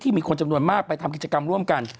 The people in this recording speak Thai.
มีคนจำนวนมากไปทำกิจกรรมร่วมกัน